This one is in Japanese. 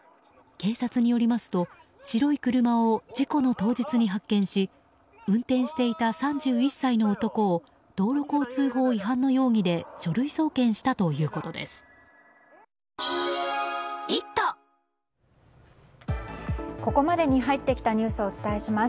警察によりますと白い車を事故の当日に発見し運転していた３１歳の男を道路交通法違反の容疑で書類送検したということです。